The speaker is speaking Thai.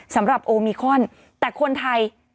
สำหรับโอมิคอนแต่คนไทย